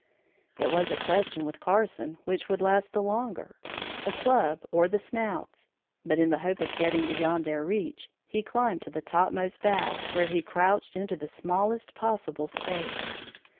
It was a question with Carson which would last the longer the club or the snouts, but in the hope of getting beyond their reach, he climbed to the topmost bough, where he crouched into the smallest possible space.